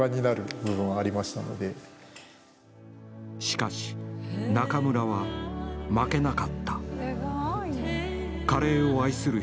しかし、中村は負けなかった。